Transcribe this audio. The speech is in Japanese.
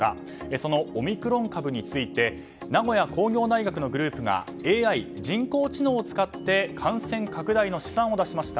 そのオミクロン株について名古屋工業大学のグループがＡＩ・人工知能を使って感染拡大の試算を出しました。